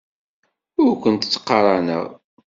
Ur kent-ttqaraneɣ.